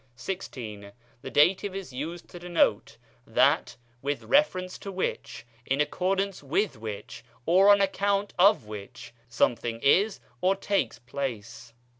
XVI. The dative is used to denote that with reference to which, in accordance with which, or on account of which, something is or takes place.